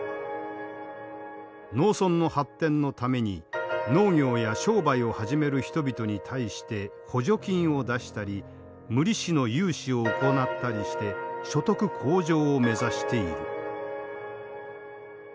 農村の発展のために農業や商売を始める人々に対して補助金を出したり無利子の融資を行ったりして所得向上を目指している。